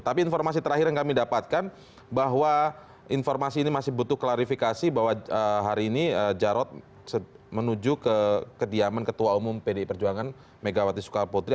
tapi informasi terakhir yang kami dapatkan bahwa informasi ini masih butuh klarifikasi bahwa hari ini jarod menuju ke kediaman ketua umum pdi perjuangan megawati sukaputri